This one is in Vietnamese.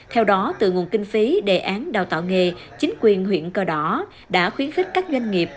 theo đó từ nguồn kinh phí đề án đào tạo nghề chính quyền huyện cờ đỏ đã khuyến khích các doanh nghiệp